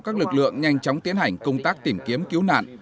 các lực lượng nhanh chóng tiến hành công tác tìm kiếm cứu nạn